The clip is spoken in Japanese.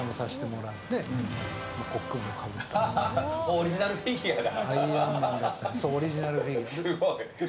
オリジナルフィギュアや。